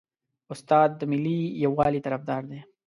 استاد د ملي یووالي طرفدار دی.